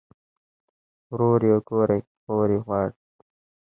ورور ئې ګوره خور ئې غواړه